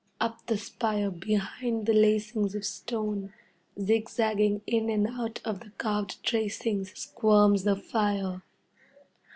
Up the spire, behind the lacings of stone, zigzagging in and out of the carved tracings, squirms the fire.